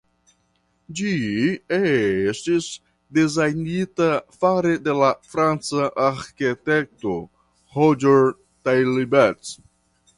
Ĝi estis dezajnita fare de la franca arĥitekto Roger Taillibert.